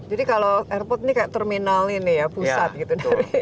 jadi kalau airport ini kayak terminal ini ya pusat gitu